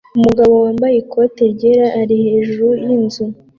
Umugabo wambaye ikoti ryera ari hejuru yinzu